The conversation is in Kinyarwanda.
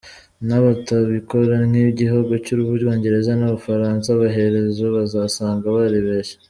N’abatabikora nk’igihugu cy’u Bwongereza n’u Bufaransa amaherezo bazasanga baribeshye.